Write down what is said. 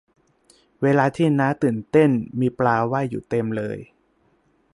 เวลาที่น้าตื่นเต้นมีปลาว่ายอยู่เต็มเลย